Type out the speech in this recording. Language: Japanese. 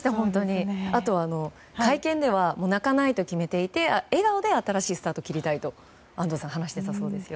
あとは会見では泣かないと決めていて笑顔で新しいスタートを切りたいと話していたそうですよ。